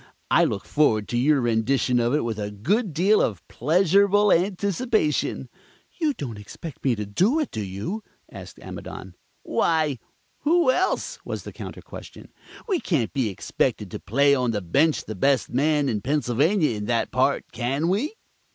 I look forward to your rendition of it with a good deal of pleasurable anticipation." "You don't expect me to do it, do you?" asked Amidon. "Why, who else?" was the counter question. "We can't be expected to play on the bench the best man in Pennsylvania in that part, can we?"